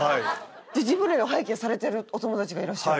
じゃあジブリの背景されてるお友達がいらっしゃる？